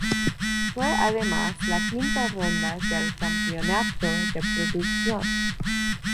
Fue además la quinta ronda del campeonato de producción.